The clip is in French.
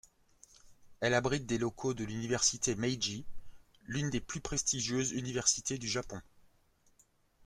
Elle abrite des locaux de l'Université Meiji, l'une des plus prestigieuses université du Japon.